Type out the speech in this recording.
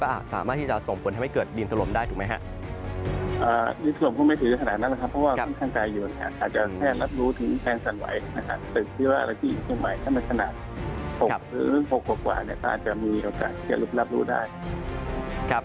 ก็อาจสามารถที่จะส่งผลให้ไม่เกิดดินตรมได้ถูกไหมครับ